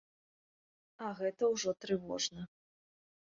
А гэта ўжо трывожна.